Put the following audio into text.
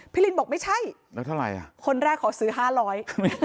ลินบอกไม่ใช่แล้วเท่าไหร่อ่ะคนแรกขอซื้อห้าร้อย